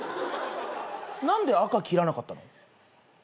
何で赤切らなかったの？